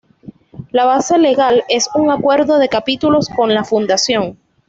La base legal es un "Acuerdo de Capítulos" con la fundación.